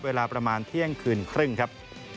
เวลาประมาณเที่ยงคืนครึ่งครับ